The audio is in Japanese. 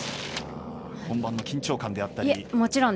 本番の緊張感であったり。